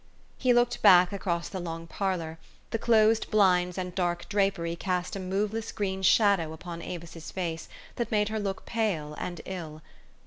He looked back across the long parlor ; the closed blinds and dark draper}? cast a moveless green shadow upon Avis's face, that made her look pale and ill.